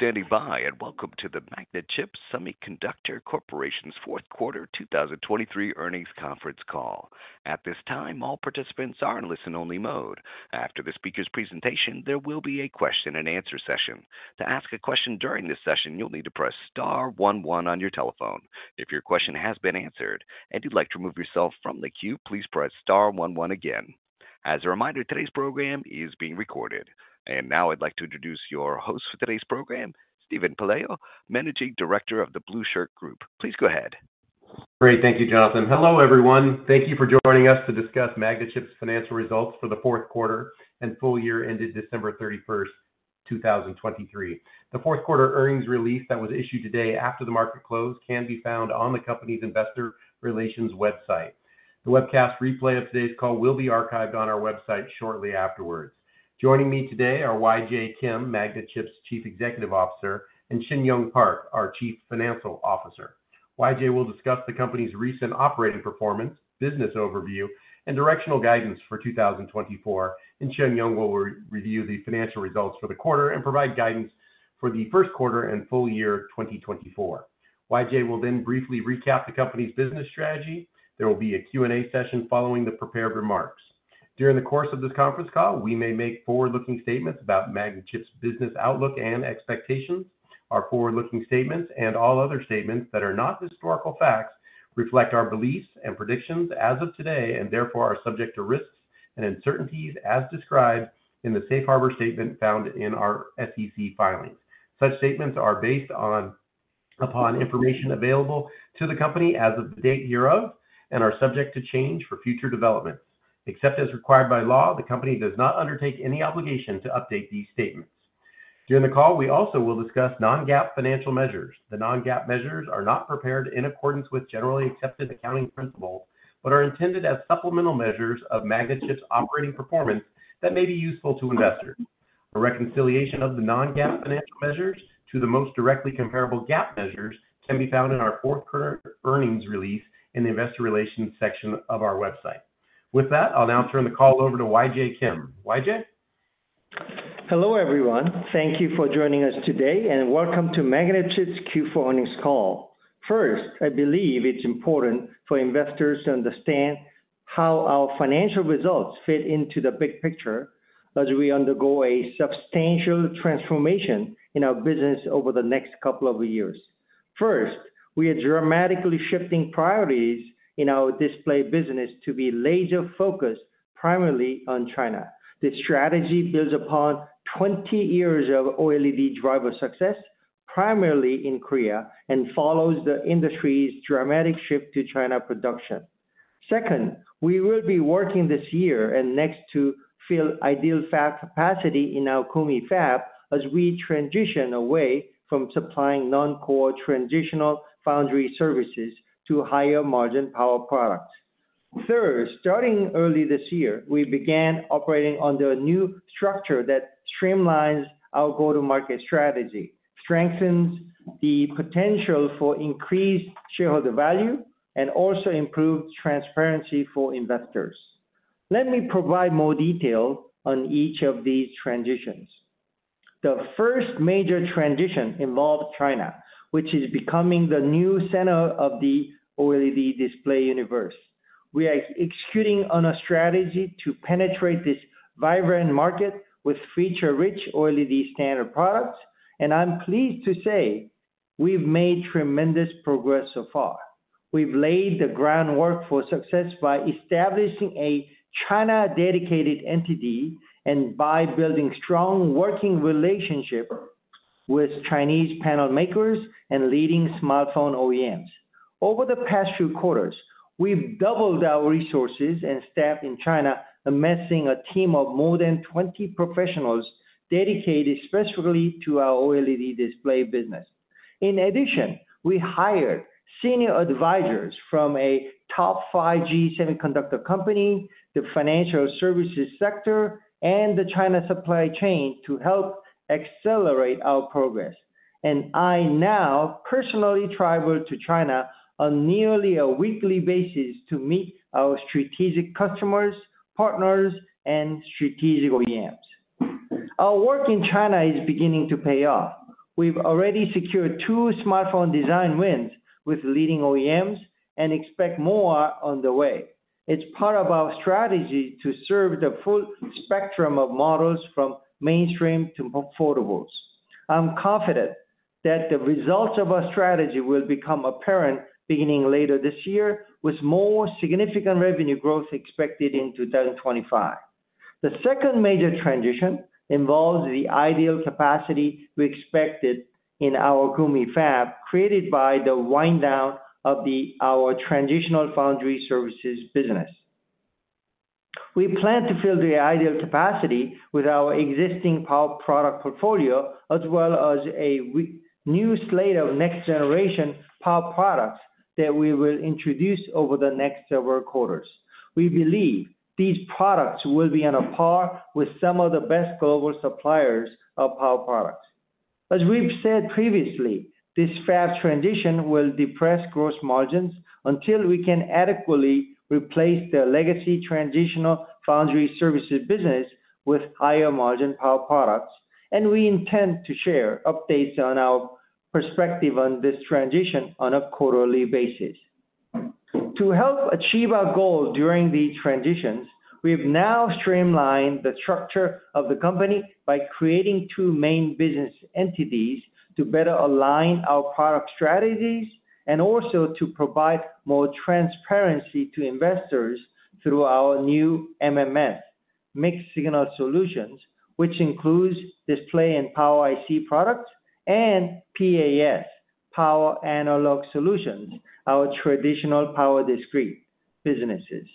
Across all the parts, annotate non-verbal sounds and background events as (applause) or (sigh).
Thank you for standing by, and welcome to the Magnachip Semiconductor Corporation's fourth quarter 2023 earnings conference call. At this time, all participants are in listen-only mode. After the speaker's presentation, there will be a question-and-answer session. To ask a question during this session, you'll need to press star one one on your telephone. If your question has been answered and you'd like to remove yourself from the queue, please press star one one again. As a reminder, today's program is being recorded. And now I'd like to introduce your host for today's program, Steven Pelayo, Managing Director of The Blueshirt Group. Please go ahead. Great. Thank you, Jonathan. Hello, everyone. Thank you for joining us to discuss Magnachip's financial results for the fourth quarter and full year ended December 31, 2023. The fourth quarter earnings release that was issued today after the market close can be found on the company's investor relations website. The webcast replay of today's call will be archived on our website shortly afterwards. Joining me today are YJ Kim, Magnachip's Chief Executive Officer, and Shinyoung Park, our Chief Financial Officer. YJ will discuss the company's recent operating performance, business overview, and directional guidance for 2024, and Shinyoung will re-review the financial results for the quarter and provide guidance for the first quarter and full year 2024. YJ will then briefly recap the company's business strategy. There will be a Q&A session following the prepared remarks. During the course of this conference call, we may make forward-looking statements about Magnachip's business outlook and expectations. Our forward-looking statements, and all other statements that are not historical facts, reflect our beliefs and predictions as of today, and therefore are subject to risks and uncertainties as described in the safe harbor statement found in our SEC filings. Such statements are based upon information available to the company as of the date hereof and are subject to change for future developments. Except as required by law, the company does not undertake any obligation to update these statements. During the call, we also will discuss non-GAAP financial measures. The non-GAAP measures are not prepared in accordance with Generally Accepted Accounting Principles, but are intended as supplemental measures of Magnachip's operating performance that may be useful to investors. A reconciliation of the non-GAAP financial measures to the most directly comparable GAAP measures can be found in our fourth current earnings release in the investor relations section of our website. With that, I'll now turn the call over to YJ Kim. YJ? Hello, everyone. Thank you for joining us today, and welcome to Magnachip's Q4 earnings call. First, I believe it's important for investors to understand how our financial results fit into the big picture as we undergo a substantial transformation in our business over the next couple of years. First, we are dramatically shifting priorities in our display business to be laser-focused primarily on China. This strategy builds upon 20 years of OLED driver success, primarily in Korea, and follows the industry's dramatic shift to China production. Second, we will be working this year and next to fill ideal fab capacity in our Gumi Fab as we transition away from supplying non-core transitional foundry services to higher-margin power products. Third, starting early this year, we began operating under a new structure that streamlines our go-to-market strategy, strengthens the potential for increased shareholder value, and also improves transparency for investors. Let me provide more detail on each of these transitions. The first major transition involved China, which is becoming the new center of the OLED display universe. We are executing on a strategy to penetrate this vibrant market with feature-rich OLED standard products, and I'm pleased to say we've made tremendous progress so far. We've laid the groundwork for success by establishing a China-dedicated entity and by building strong working relationship with Chinese panel makers and leading smartphone OEMs. Over the past few quarters, we've doubled our resources and staff in China, amassing a team of more than 20 professionals dedicated specifically to our OLED display business. In addition, we hired senior advisors from a top 5G semiconductor company, the financial services sector, and the China supply chain to help accelerate our progress. I now personally travel to China on nearly a weekly basis to meet our strategic customers, partners, and strategic OEMs. Our work in China is beginning to pay off. We've already secured two smartphone design wins with leading OEMs and expect more on the way. It's part of our strategy to serve the full spectrum of models, from mainstream to affordables. I'm confident that the results of our strategy will become apparent beginning later this year, with more significant revenue growth expected in 2025. The second major transition involves the idle capacity we expected in our Gumi fab, created by the wind down of our transitional foundry services business. We plan to fill the idle capacity with our existing power product portfolio, as well as a new slate of next-generation power products that we will introduce over the next several quarters. We believe these products will be on a par with some of the best global suppliers of power products. As we've said previously, this fast transition will depress gross margins until we can adequately replace the legacy transitional foundry services business with higher-margin power products, and we intend to share updates on our perspective on this transition on a quarterly basis. To help achieve our goal during these transitions, we've now streamlined the structure of the company by creating two main business entities to better align our product strategies, and also to provide more transparency to investors through our new MSS, Mixed Signal Solutions, which includes display and Power IC products, and PAS, Power Analog Solutions, our traditional power-discrete businesses.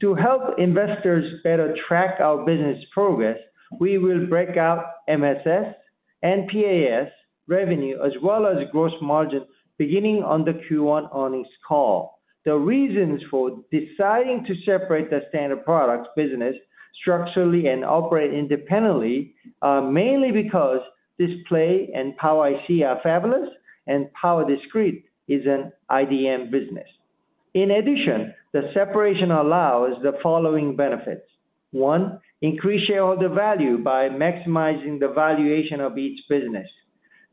To help investors better track our business progress, we will break out MSS and PAS revenue, as well as gross margin, beginning on the Q1 earnings call. The reasons for deciding to separate the standard products business structurally and operate independently are mainly because display and Power IC are fabless and power-discrete is an IDM business. In addition, the separation allows the following benefits: One, increase shareholder value by maximizing the valuation of each business.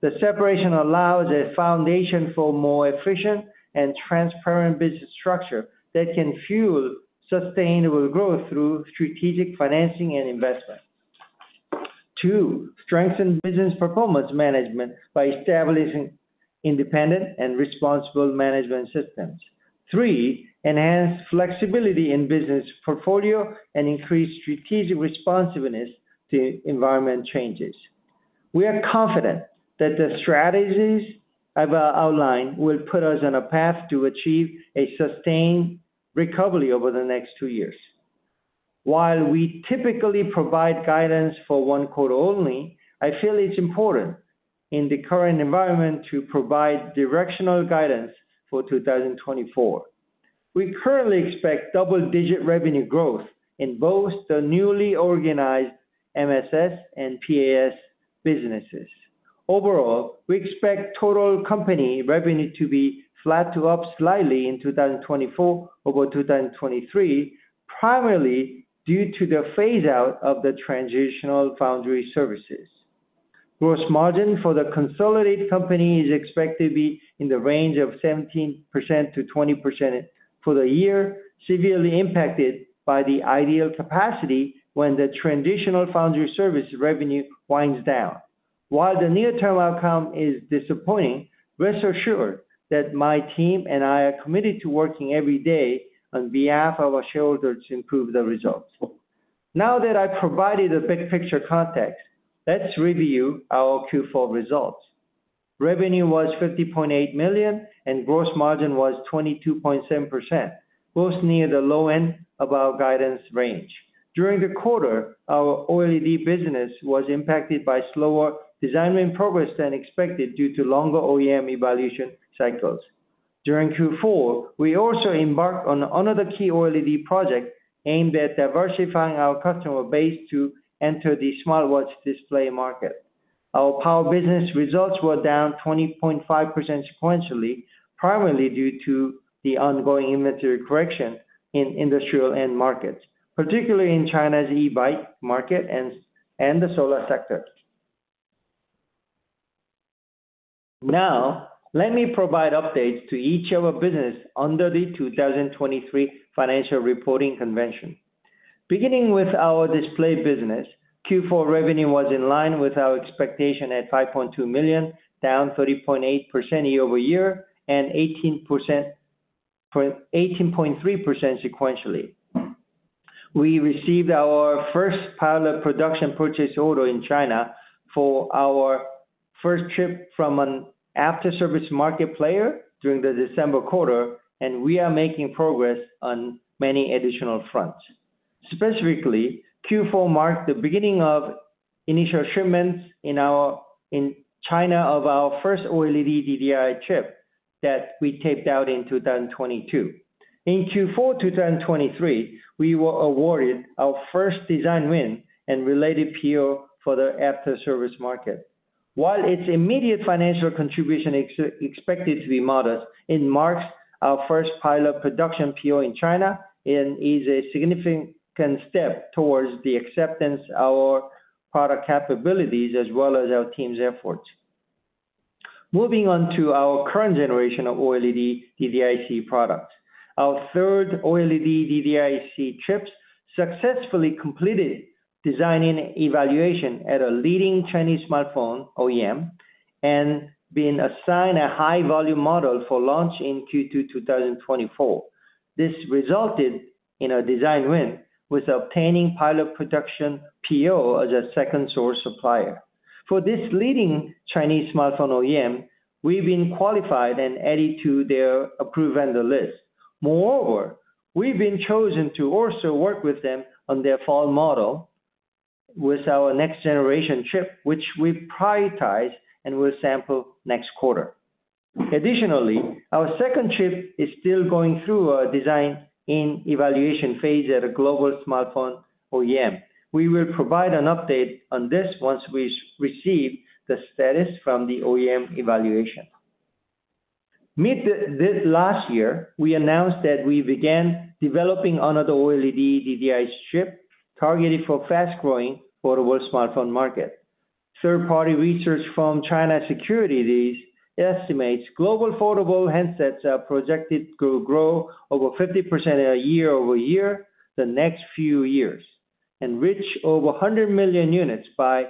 The separation allows a foundation for more efficient and transparent business structure that can fuel sustainable growth through strategic financing and investment. Two, strengthen business performance management by establishing independent and responsible management systems. Three, enhance flexibility in business portfolio and increase strategic responsiveness to environment changes. We are confident that the strategies I've outlined will put us on a path to achieve a sustained recovery over the next two years. While we typically provide guidance for one quarter only, I feel it's important in the current environment to provide directional guidance for 2024. We currently expect double-digit revenue growth in both the newly organized MSS and PAS businesses. Overall, we expect total company revenue to be flat to up slightly in 2024 over 2023, primarily due to the phase-out of the transitional foundry services. Gross margin for the consolidated company is expected to be in the range of 17%-20% for the year, severely impacted by the idle capacity when the transitional foundry service revenue winds down. While the near-term outcome is disappointing, rest assured that my team and I are committed to working every day on behalf of our shareholders to improve the results. Now that I've provided a big picture context, let's review our Q4 results. Revenue was $50.8 million, and gross margin was 22.7%, both near the low end of our guidance range. During the quarter, our OLED business was impacted by slower design win progress than expected, due to longer OEM evaluation cycles. During Q4, we also embarked on another key OLED project aimed at diversifying our customer base to enter the smartwatch display market. Our power business results were down 20.5% sequentially, primarily due to the ongoing inventory correction in industrial end markets, particularly in China's e-bike market and the solar sector. Now, let me provide updates to each of our business under the 2023 financial reporting convention. Beginning with our display business, Q4 revenue was in line with our expectation at $5.2 million, down 30.8% year-over-year and 18.3% sequentially. We received our first pilot production purchase order in China for our first chip from an after-service market player during the December quarter, and we are making progress on many additional fronts. Specifically, Q4 marked the beginning of initial shipments in China of our first OLED DDIC chip that we taped out in 2022. In Q4 2023, we were awarded our first design win and related PO for the after-service market. While its immediate financial contribution expected to be modest, it marks our first pilot production PO in China and is a significant step towards the acceptance of our product capabilities, as well as our team's efforts. Moving on to our current generation of OLED DDIC products. Our third OLED DDIC chips successfully completed design-in evaluation at a leading Chinese smartphone OEM, and been assigned a high volume model for launch in Q2 2024. This resulted in a Design Win with obtaining pilot production PO as a second-source supplier. For this leading Chinese smartphone OEM, we've been qualified and added to their approved vendor list. Moreover, we've been chosen to also work with them on their fold model with our next-generation chip, which we prioritize and will sample next quarter. Additionally, our second chip is still going through our design-in evaluation phase at a global smartphone OEM. We will provide an update on this once we receive the status from the OEM evaluation. Mid last year, we announced that we began developing another OLED DDIC chip targeted for fast-growing foldable smartphone market. Third-party research from China Securities estimates global foldable handsets are projected to grow over 50% year-over-year, the next few years, and reach over 100 million units by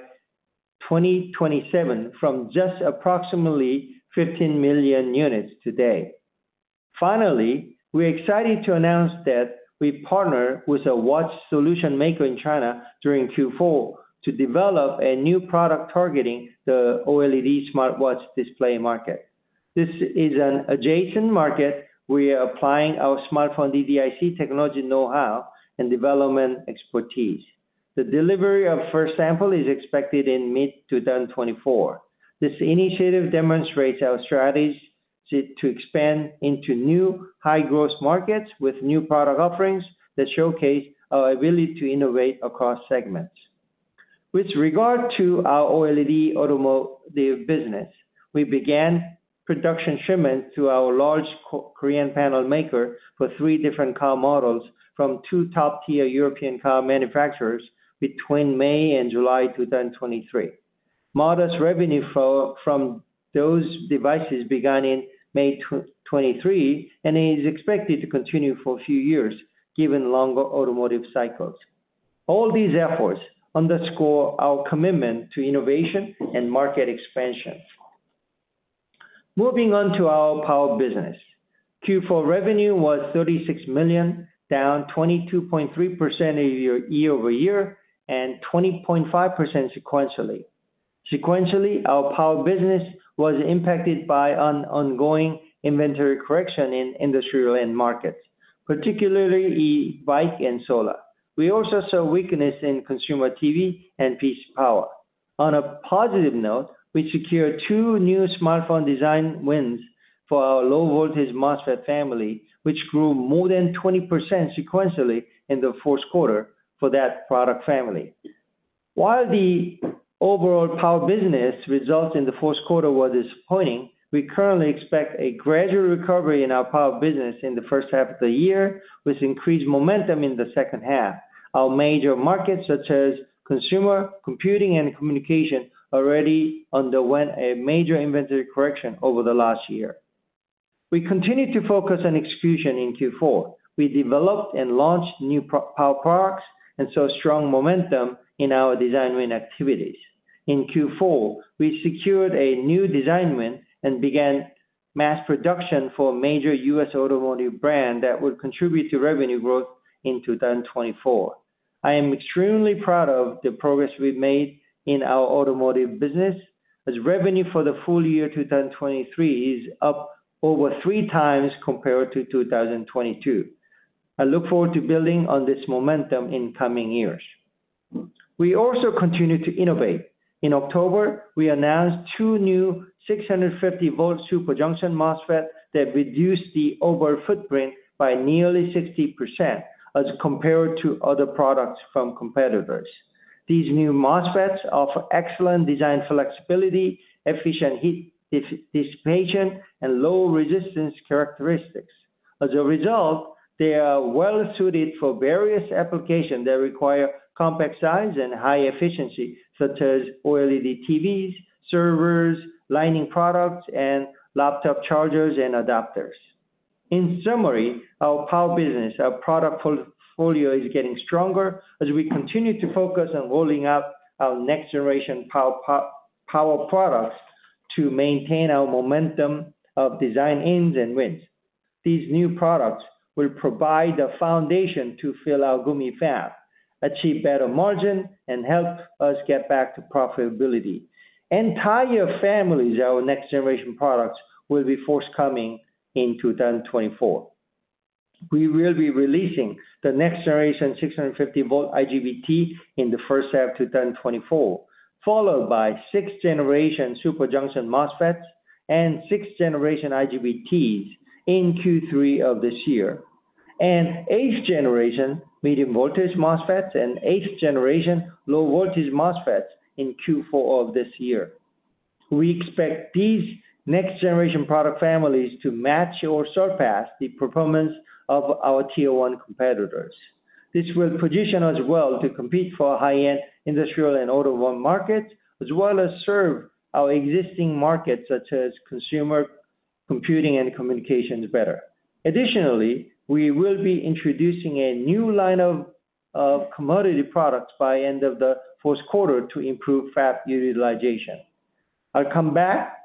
2027 from just approximately 15 million units today. Finally, we're excited to announce that we partnered with a watch solution maker in China during Q4 to develop a new product targeting the OLED smartwatch display market. This is an adjacent market. We are applying our smartphone DDIC technology know-how and development expertise. The delivery of first sample is expected in mid-2024. This initiative demonstrates our strategy to expand into new high-growth markets with new product offerings that showcase our ability to innovate across segments. With regard to our OLED automotive business, we began production shipments to our large Korean panel maker for three different car models from two top-tier European car manufacturers between May and July 2023. Modest revenue flow from those devices began in May 2023, and it is expected to continue for a few years, given longer automotive cycles. All these efforts underscore our commitment to innovation and market expansion. Moving on to our power business. Q4 revenue was $36 million, down 22.3% year-over-year, and 20.5% sequentially. Sequentially, our power business was impacted by an ongoing inventory correction in industrial end markets, particularly e-bike and solar. We also saw weakness in consumer TV and PC power. On a positive note, we secured two new smartphone design wins for our low-voltage MOSFET family, which grew more than 20% sequentially in the fourth quarter for that product family. While the overall power business results in the fourth quarter were disappointing, we currently expect a gradual recovery in our power business in the first half of the year, with increased momentum in the second half. Our major markets, such as consumer, computing, and communication, already underwent a major inventory correction over the last year. We continued to focus on execution in Q4. We developed and launched new power products and saw strong momentum in our design win activities. In Q4, we secured a new design win and began mass production for a major U.S. automotive brand that will contribute to revenue growth in 2024. I am extremely proud of the progress we've made in our automotive business, as revenue for the full year 2023 is up over three times compared to 2022. I look forward to building on this momentum in coming years. We also continue to innovate. In October, we announced two new 650-volt super junction MOSFET that reduced the overall footprint by nearly 60% as compared to other products from competitors. These new MOSFETs offer excellent design flexibility, efficient heat dissipation, and low resistance characteristics. As a result, they are well suited for various applications that require compact size and high efficiency, such as OLED TVs, servers, lighting products, and laptop chargers and adapters. In summary, our power business, our product portfolio is getting stronger as we continue to focus on rolling out our next-generation power power products to maintain our momentum of design-ins and wins. These new products will provide the foundation to fill our Gumi fab, achieve better margin, and help us get back to profitability. Entire families of our next-generation products will be forthcoming in 2024. We will be releasing the next-generation 650-volt IGBT in the first half of 2024, followed by sixth-generation Super Junction MOSFETs and sixth-generation IGBTs in Q3 of this year, and eighth-generation medium-voltage MOSFETs and eighth-generation low-voltage MOSFETs in Q4 of this year. We expect these next-generation product families to match or surpass the performance of our Tier One competitors. This will position us well to compete for high-end industrial and automotive markets, as well as serve our existing markets, such as consumer, computing, and communications, better. Additionally, we will be introducing a new line of commodity products by end of the first quarter to improve fab utilization. I'll come back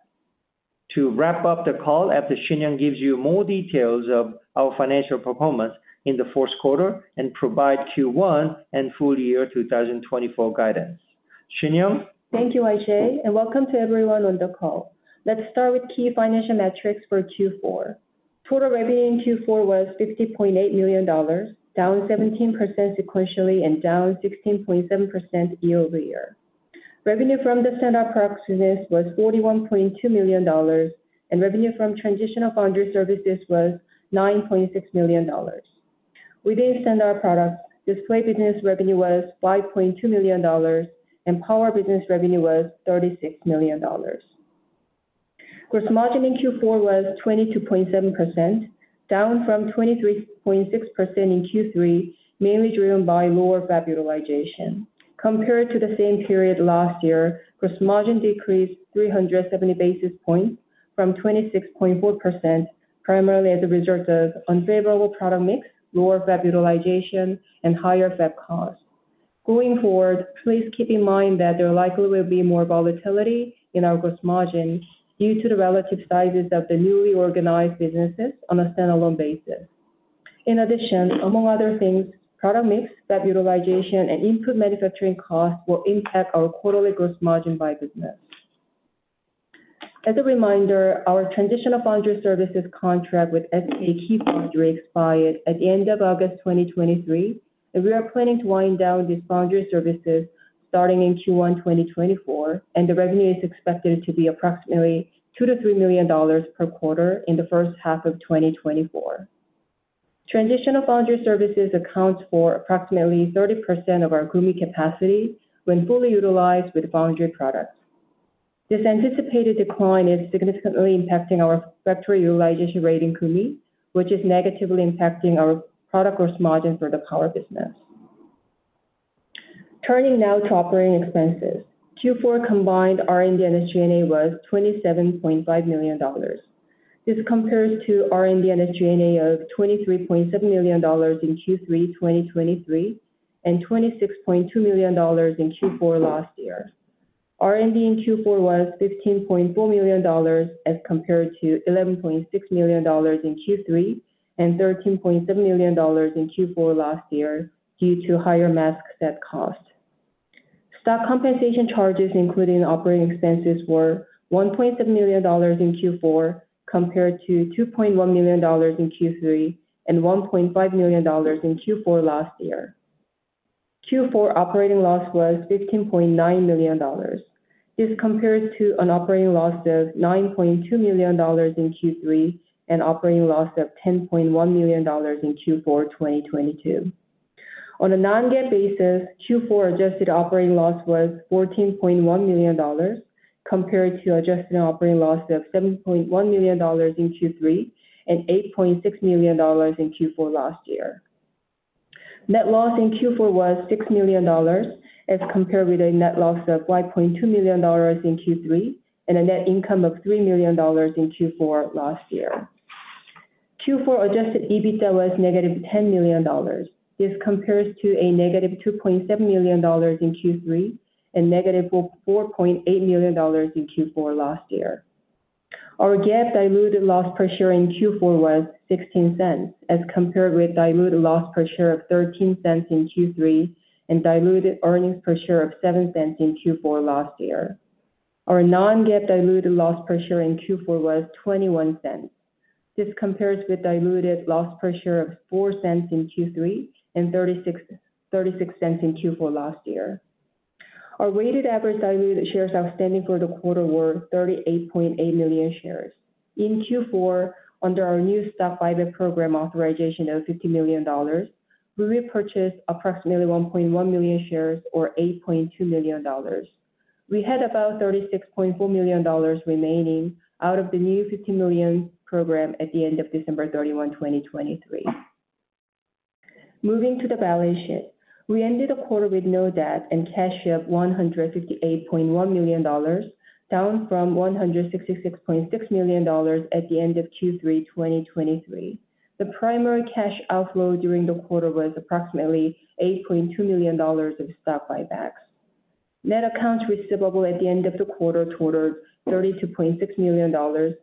to wrap up the call after Shinyoung gives you more details of our financial performance in the fourth quarter and provide Q1 and full year 2024 guidance. Shinyoung? Thank you, YJ, and welcome to everyone on the call. Let's start with key financial metrics for Q4. Total revenue in Q4 was $60.8 million, down 17% sequentially and down 16.7% year over year.... Revenue from the standard products business was $41.2 million, and revenue from transitional foundry services was $9.6 million. Within standard products, display business revenue was $5.2 million, and power business revenue was $36 million. Gross margin in Q4 was 22.7%, down from 23.6% in Q3, mainly driven by lower fab utilization. Compared to the same period last year, gross margin decreased 370 basis points from 26.4%, primarily as a result of unfavorable product mix, lower fab utilization, and higher fab costs. Going forward, please keep in mind that there likely will be more volatility in our gross margin due to the relative sizes of the newly organized businesses on a standalone basis. In addition, among other things, product mix, fab utilization, and input manufacturing costs will impact our quarterly gross margin by business. As a reminder, our transitional foundry services contract with SKH Foundry expired at the end of August 2023, and we are planning to wind down these foundry services starting in Q1 2024, and the revenue is expected to be approximately $2 million-$3 million per quarter in the first half of 2024. Transitional foundry services accounts for approximately 30% of our Gumi capacity when fully utilized with foundry products. This anticipated decline is significantly impacting our factory utilization rate in Gumi, which is negatively impacting our product gross margin for the power business. Turning now to operating expenses. Q4 combined R&D and SG&A was $27.5 million. This compares to R&D and SG&A of $23.7 million in Q3 2023, and $26.2 million in Q4 last year. R&D in Q4 was $15.4 million, as compared to $11.6 million in Q3 and $13.7 million in Q4 last year, due to higher mask set cost. Stock compensation charges, including operating expenses, were $1.7 million in Q4, compared to $2.1 million in Q3 and $1.5 million in Q4 last year. Q4 operating loss was $15.9 million. This compares to an operating loss of $9.2 million in Q3 and operating loss of $10.1 million in Q4 2022. On a non-GAAP basis, Q4 adjusted operating loss was $14.1 million, compared to adjusted operating loss of $7.1 million in Q3 and $8.6 million in Q4 last year. Net loss in Q4 was $6 million, as compared with a net loss of $1.2 million in Q3 and a net income of $3 million in Q4 last year. Q4 adjusted EBITDA was -$10 million. This compares to a -$2.7 million in Q3 and -$4.8 million in Q4 last year. Our GAAP diluted loss per share in Q4 was $0.16, as compared with diluted loss per share of $0.13 in Q3 and diluted earnings per share of $0.07 in Q4 last year. Our non-GAAP diluted loss per share in Q4 was $0.21. This compares with diluted loss per share of $0.04 in Q3 and $0.36, $0.36 in Q4 last year. Our weighted average diluted shares outstanding for the quarter were 38.8 million shares. In Q4, under our new stock buyback program authorization of $50 million, we repurchased approximately 1.1 million shares or $8.2 million. We had about $36.4 million remaining out of the new $50 million program at the end of December 31, 2023. Moving to the balance sheet. We ended the quarter with no debt and cash of $158.1 million, down from $166.6 million at the end of Q3 2023. The primary cash outflow during the quarter was approximately $8.2 million of stock buybacks. Net accounts receivable at the end of the quarter totaled $32.6 million,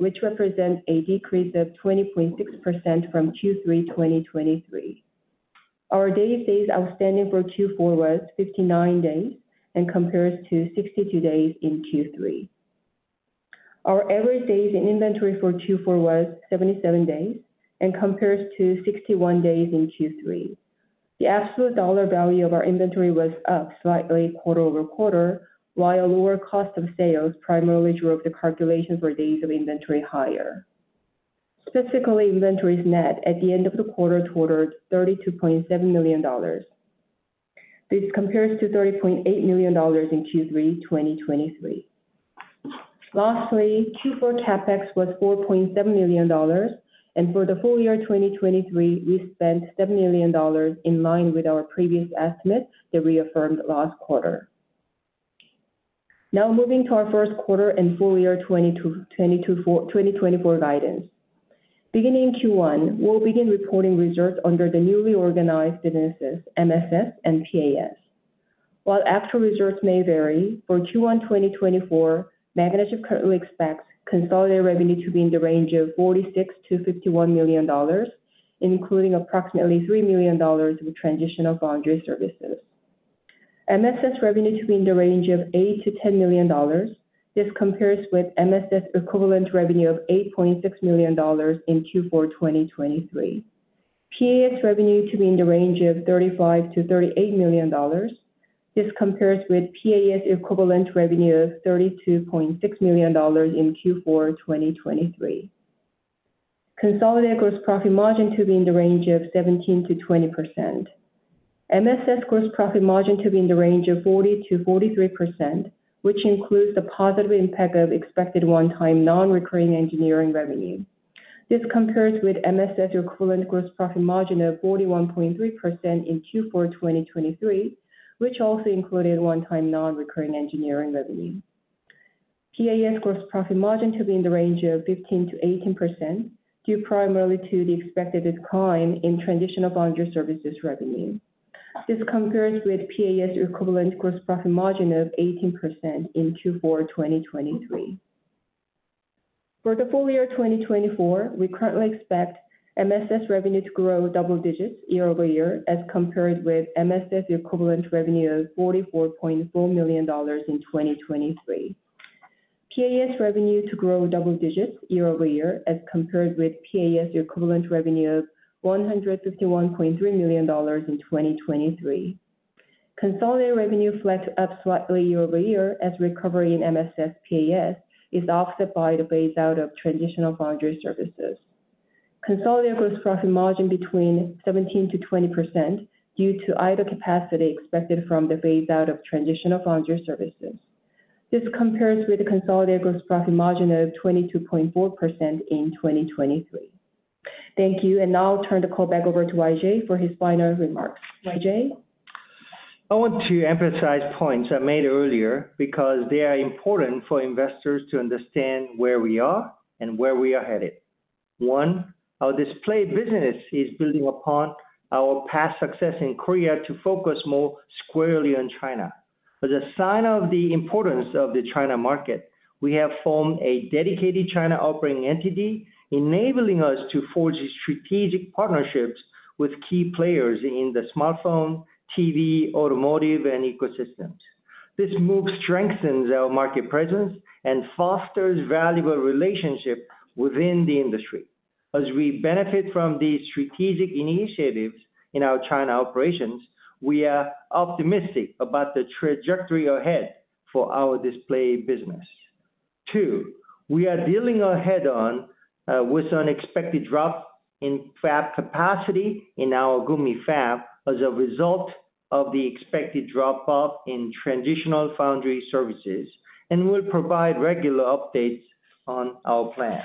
which represents a decrease of 20.6% from Q3 2023. Our days outstanding for Q4 was 59 days and compares to 62 days in Q3. Our average days in inventory for Q4 was 77 days and compares to 61 days in Q3. The absolute dollar value of our inventory was up slightly quarter-over-quarter, while lower cost of sales primarily drove the calculation for days of inventory higher. Specifically, inventories net at the end of the quarter totaled $32.7 million. This compares to $30.8 million in Q3 2023. Lastly, Q4 CapEx was $4.7 million, and for the full year 2023, we spent $7 million in line with our previous estimate that we affirmed last quarter. Now moving to our first quarter and full year 2024 guidance. Beginning in Q1, we'll begin reporting results under the newly organized businesses, MSS and PAS. While actual results may vary, for Q1 2024, Magnachip currently expects consolidated revenue to be in the range of $46 million-$51 million, including approximately $3 million of transitional foundry services. MSS revenue to be in the range of $8 million-$10 million. This compares with MSS equivalent revenue of $8.6 million in Q4 2023. PAS revenue to be in the range of $35 million-$38 million. This compares with PAS equivalent revenue of $32.6 million in Q4 2023. Consolidated gross profit margin to be in the range of 17%-20%. MSS gross profit margin to be in the range of 40%-43%, which includes the positive impact of expected one-time non-recurring engineering revenue. This compares with MSS equivalent gross profit margin of 41.3% in Q4 2023, which also included one-time non-recurring engineering revenue. PAS gross profit margin to be in the range of 15%-18%, due primarily to the expected decline in transitional foundry services revenue. This compares with PAS equivalent gross profit margin of 18% in Q4 2023. For the full year 2024, we currently expect MSS revenue to grow double digits year over year, as compared with MSS equivalent revenue of $44.4 million in 2023. PAS revenue to grow double digits year over year, as compared with PAS equivalent revenue of $151.3 million in 2023. Consolidated revenue flat to up slightly year-over-year, as recovery in MSS PAS is offset by the phaseout of transitional foundry services. Consolidated gross profit margin between 17%-20%, due to idle capacity expected from the phaseout of transitional foundry services. This compares with the consolidated gross profit margin of 22.4% in 2023. Thank you, and now I'll turn the call back over to YJ for his final remarks. YJ? I want to emphasize points I made earlier, because they are important for investors to understand where we are and where we are headed. One, our display business is building upon our past success in Korea to focus more squarely on China. As a sign of the importance of the China market, we have formed a dedicated China operating entity, enabling us to forge strategic partnerships with key players in the smartphone, TV, automotive, and ecosystems. This move strengthens our market presence and fosters valuable relationship within the industry. As we benefit from these strategic initiatives in our China operations, we are optimistic about the trajectory ahead for our display business. Two, we are dealing ahead on, with an expected drop in fab capacity in our Gumi Fab as a result of the expected drop-off in transitional foundry services, and we'll provide regular updates on our plan.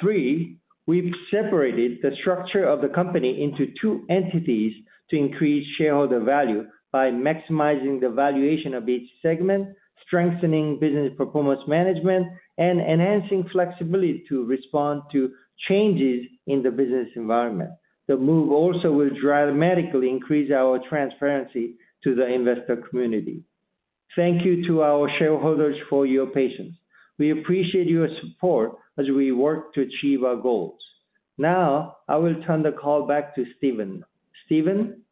3, we've separated the structure of the company into two entities to increase shareholder value by maximizing the valuation of each segment, strengthening business performance management, and enhancing flexibility to respond to changes in the business environment. The move also will dramatically increase our transparency to the investor community. Thank you to our shareholders for your patience. We appreciate your support as we work to achieve our goals. Now, I will turn the call back to Steven. Steven?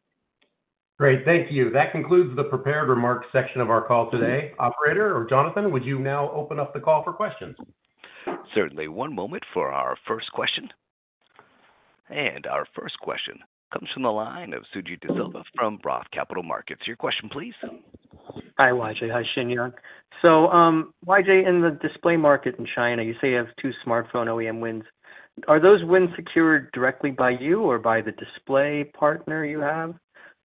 Great. Thank you. That concludes the prepared remarks section of our call today. Operator or Jonathan, would you now open up the call for questions? Certainly. One moment for our first question. Our first question comes from the line of Suji Desilva from Roth Capital Partners. Your question please. Hi, YJ. Hi, Shinyoung. So, YJ, in the display market in China, you say you have two smartphone OEM wins. Are those wins secured directly by you or by the display partner you have?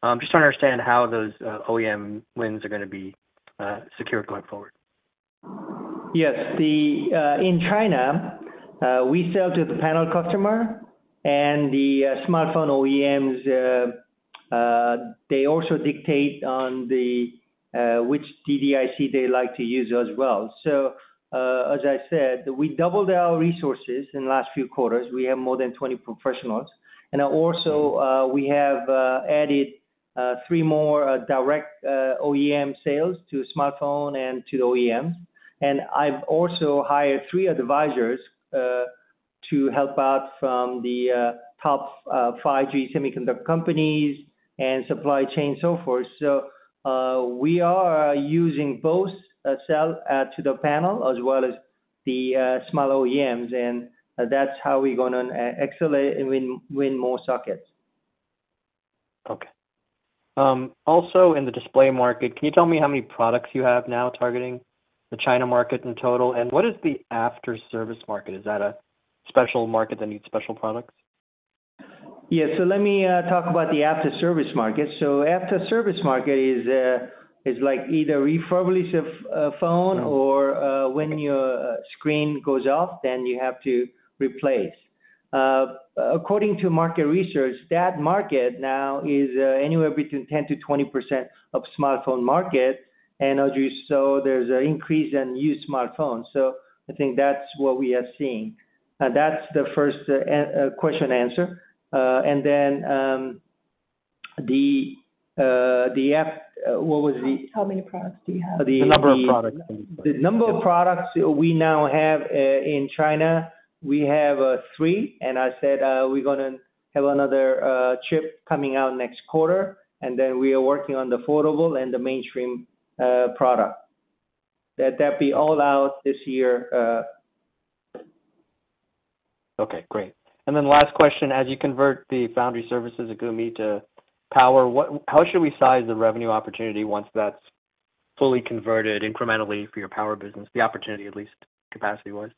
Just want to understand how those OEM wins are gonna be secured going forward. Yes. In China, we sell to the panel customer and the smartphone OEMs. They also dictate which DDIC they like to use as well. So, as I said, we doubled our resources in the last few quarters. We have more than 20 professionals, and also we have added three more direct OEM sales to smartphone and to the OEMs. And I've also hired three advisors to help out from the top 5G semiconductor companies and supply chain, so forth. So, we are using both sell to the panel as well as the smartphone OEMs, and that's how we're gonna accelerate and win more sockets. Okay. Also in the display market, can you tell me how many products you have now targeting the China market in total? And what is the after-service market? Is that a special market that needs special products? Yeah. So let me talk about the after-service market. So after-service market is like either refurbished of phone or when your screen goes off, then you have to replace. According to market research, that market now is anywhere between 10%-20% of smartphone market, and as you saw, there's an increase in used smartphones. So I think that's what we are seeing. That's the first question answer. And then, the what was the- How many products do you have? The number of products. The number of products we now have in China, we have three, and I said we're gonna have another chip coming out next quarter, and then we are working on the foldable and the mainstream product. That'd be all out this year. Okay, great. And then last question, as you convert the foundry services at Gumi to power, what-- how should we size the revenue opportunity once that's fully converted incrementally for your power business? The opportunity at least capacity-wise.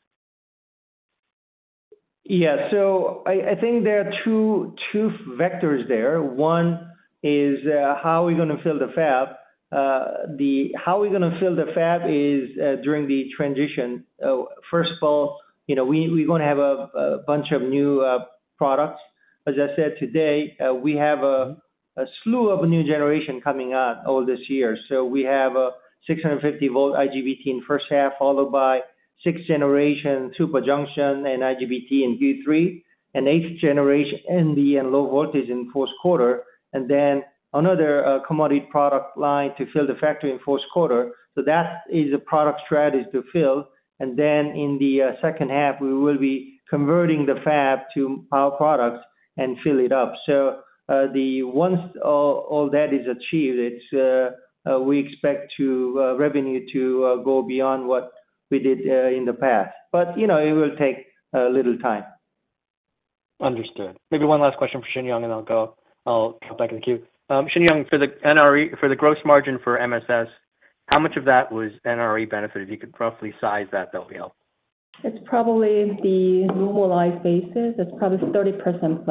Yeah. So I think there are two vectors there. One is, how are we gonna fill the fab? The how we're gonna fill the fab is, during the transition. First of all, you know, we're gonna have a bunch of new products. As I said today, we have a slew of new generation coming out all this year. So we have a 650-volt IGBT in first half, followed by sixth generation super junction and IGBT in Q3, and eighth generation MV and low voltage in fourth quarter, and then another commodity product line to fill the factory in fourth quarter. So that is a product strategy to fill, and then in the second half, we will be converting the fab to our products and fill it up. So, once all that is achieved, we expect revenue to go beyond what we did in the past. But, you know, it will take a little time. Understood. Maybe one last question for Shinyoung, and I'll go, I'll hop back in the queue. Shinyoung, for the NRE, for the gross margin for MSS, how much of that was NRE benefit? If you could roughly size that, that would be helpful. It's probably the normalized basis. It's probably 30%+.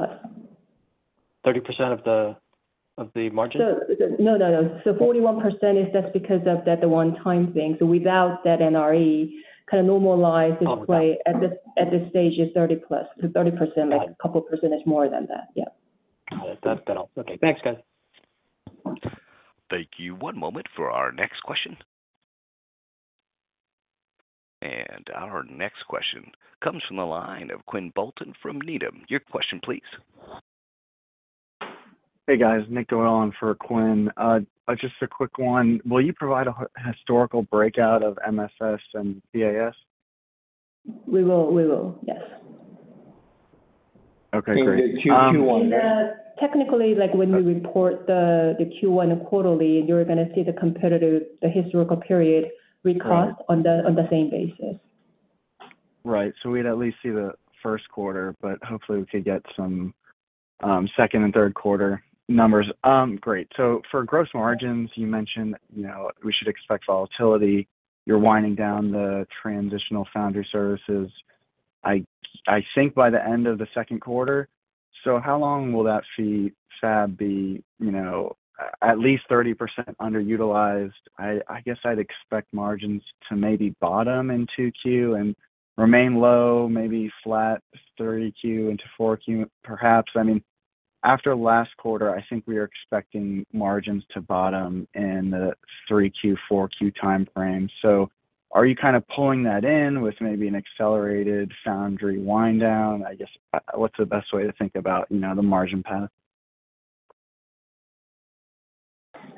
30% of the margin? So, no, no, no. So 41% is just because of that, the one-time thing. So without that NRE, kind of normalized- Okay. -display at this stage is 30+. So 30%- Got it. Like a couple % more than that. Yeah. Got it. That's helpful. Okay, thanks, guys. Thank you. One moment for our next question. Our next question comes from the line of Quinn Bolton from Needham. Your question, please. Hey, guys. Nick going on for Quinn. Just a quick one. Will you provide a historical breakout of MSS and PAS? We will. We will, yes. Okay, great, (crosstalk) Technically, like, when we report the Q1 quarterly, you're gonna see the competitive historical period recross- Right. on the same basis. Right. So we'd at least see the first quarter, but hopefully we could get some second and third quarter numbers. Great. So for gross margins, you mentioned, you know, we should expect volatility. You're winding down the transitional foundry services, I think, by the end of the second quarter. So how long will that Gumi Fab be, you know, at least 30% underutilized? I guess I'd expect margins to maybe bottom in 2Q and remain low, maybe flat, 3Q into 4Q, perhaps. I mean, after last quarter, I think we are expecting margins to bottom in the 3Q, 4Q timeframe. So are you kind of pulling that in with maybe an accelerated foundry wind down? I guess, what's the best way to think about, you know, the margin pattern?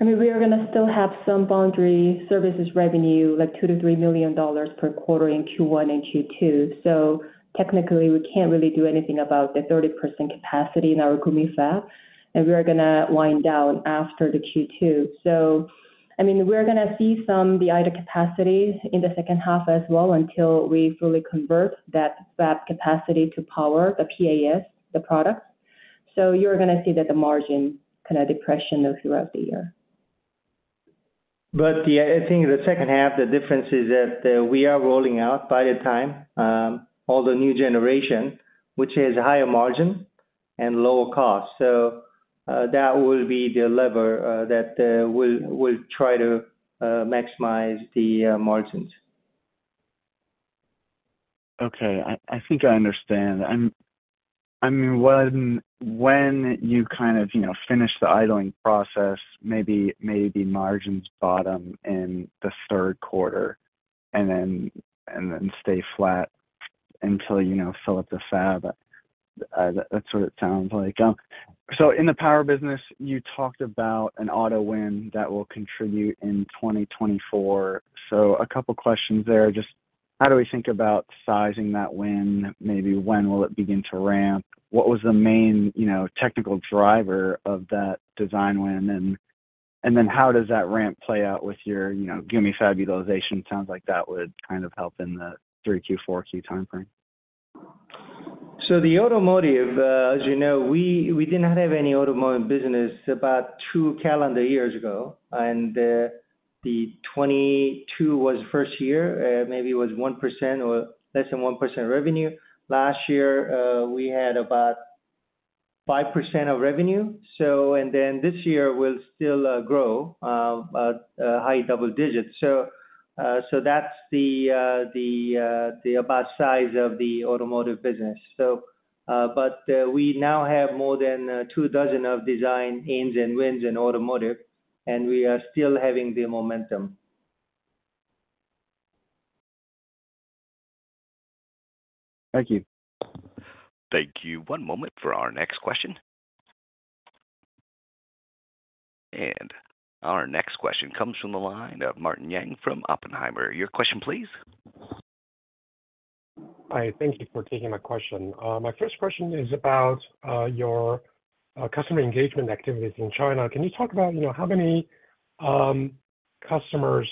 I mean, we are gonna still have some foundry services revenue, like $2-$3 million per quarter in Q1 and Q2. So technically, we can't really do anything about the 30% capacity in our Gumi Fab, and we are gonna wind down after the Q2. So I mean, we're gonna see some, the idle capacity in the second half as well, until we fully convert that fab capacity to power, the PAS, the product. So you're gonna see that the margin kind of depression of throughout the year. But, I think in the second half, the difference is that we are rolling out by the time all the new generation, which has higher margin and lower cost. So, that will be the lever that we'll try to maximize the margins. Okay. I think I understand. I mean, when you kind of, you know, finish the idling process, maybe margins bottom in the third quarter and then stay flat until, you know, fill up the fab. That's what it sounds like. So in the power business, you talked about an auto win that will contribute in 2024. So a couple questions there. Just how do we think about sizing that win? Maybe when will it begin to ramp? What was the main, you know, technical driver of that design win? And then how does that ramp play out with your, you know, Gumi fab utilization? Sounds like that would kind of help in the 3Q, 4Q timeframe. So the automotive, as you know, we didn't have any automotive business about 2 calendar years ago, and the 2022 was first year, maybe it was 1% or less than 1% revenue. Last year, we had about 5% of revenue. And then this year will still grow a high double digits. So that's about the size of the automotive business. But we now have more than two dozen design-ins and wins in automotive, and we are still having the momentum. Thank you. Thank you. One moment for our next question. Our next question comes from the line of Martin Yang from Oppenheimer. Your question, please? Hi, thank you for taking my question. My first question is about your customer engagement activities in China. Can you talk about, you know, how many customers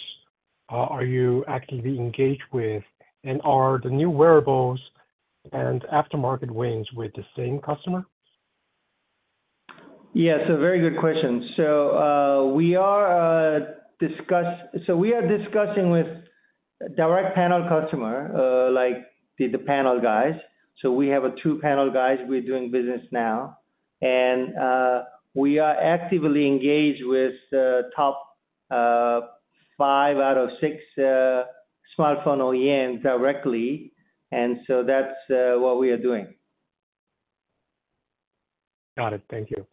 are you actively engaged with? And are the new wearables and aftermarket wins with the same customer? Yes, a very good question. So, we are discussing with direct panel customer, like the, the panel guys. So we have a two panel guys we're doing business now. And, we are actively engaged with, top, five out of six, smartphone OEMs directly, and so that's what we are doing. Got it. Thank you.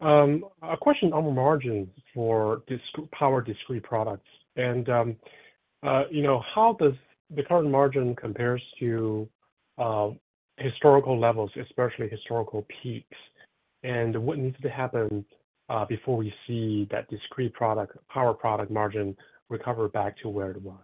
A question on margins for discrete, power discrete products. And, you know, how does the current margin compares to, historical levels, especially historical peaks? And what needs to happen, before we see that discrete product, power product margin recover back to where it was?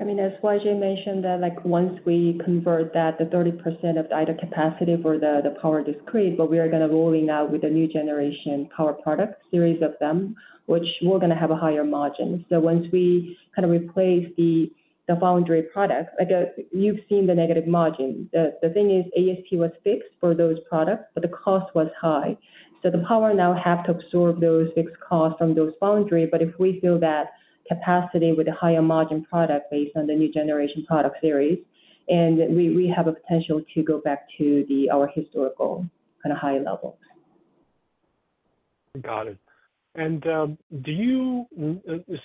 I mean, as YJ mentioned, that like once we convert that, the 30% of the idle capacity for the power discrete, but we are gonna roll out with a new generation power product, series of them, which we're gonna have a higher margin. So once we kind of replace the foundry product, like, you've seen the negative margin. The thing is, ASP was fixed for those products, but the cost was high. So the power now have to absorb those fixed costs from those foundry, but if we fill that capacity with a higher margin product based on the new generation product series, and we have a potential to go back to our historical kind of high level. Got it. And,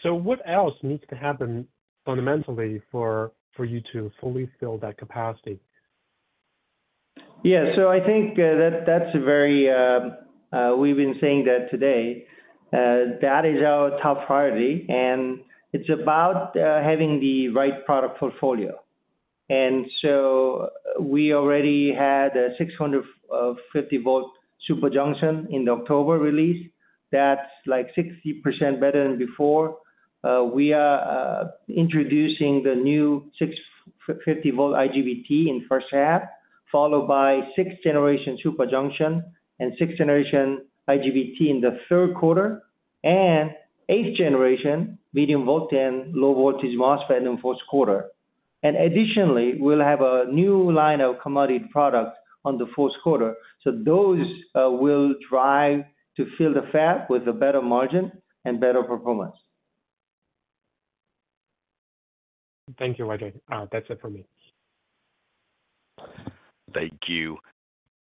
so what else needs to happen fundamentally for you to fully fill that capacity? Yeah. So I think, that's a very, we've been saying that today, that is our top priority, and it's about, having the right product portfolio. And so we already had a 650 volt super junction in the October release. That's like 60% better than before. We are introducing the new 650 volt IGBT in first half, followed by sixth generation super junction and sixth generation IGBT in the third quarter, and eighth generation medium voltage and low voltage MOSFET in fourth quarter. And additionally, we'll have a new line of commodity product on the fourth quarter. So those will drive to fill the fab with a better margin and better performance. Thank you, YJ. That's it for me. Thank you.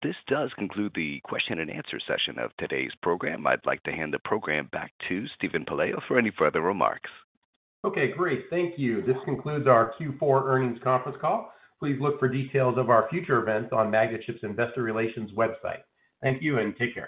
This does conclude the question and answer session of today's program. I'd like to hand the program back to Steven Pelayo for any further remarks. Okay, great. Thank you. This concludes our Q4 earnings conference call. Please look for details of our future events on Magnachip's investor relations website. Thank you, and take care.